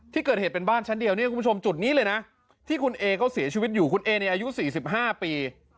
ที่เกิดเหตุเป็นบ้านชั้นเดียวเนี่ยคุณผู้ชมจุดนี้เลยนะที่คุณเอเขาเสียชีวิตอยู่คุณเอเนี่ยอายุ๔๕ปี